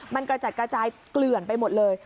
มันกระจัดกระจายเกลื่อนไปหมดเลย